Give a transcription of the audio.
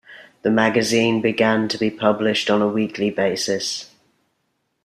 The magazine began to be published on a weekly basis.